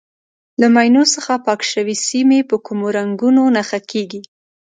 له ماینو څخه پاکې شوې سیمې په کومو رنګونو نښه کېږي.